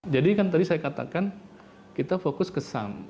jadi kan tadi saya katakan kita fokus ke sam